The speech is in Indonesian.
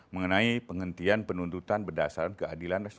mengenai penghentian penuntutan berdasarkan keadilan nasional